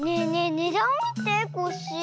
ねだんをみてコッシー。